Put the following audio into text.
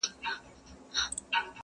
هغو زموږ په مټو یووړ تر منزله,